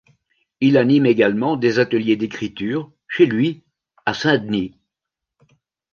Il anime également des ateliers d'écriture, chez lui, à Saint-Denis.